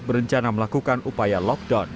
berencana melakukan upaya lockdown